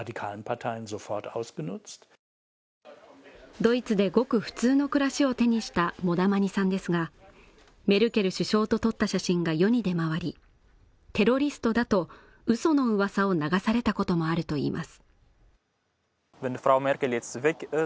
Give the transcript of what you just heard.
ドイツでごく普通の暮らしを手にしたモダマニさんですが、メルケル首相と撮った写真が世に出回り、テロリストだと嘘の噂を流されたこともあるといいます。